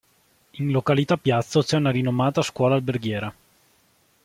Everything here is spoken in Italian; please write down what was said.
In località Piazzo c'è una rinomata scuola alberghiera.